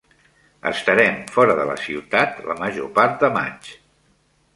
Estarem fora de la ciutat la major part de maig.